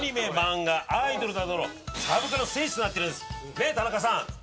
ねっ田中さん。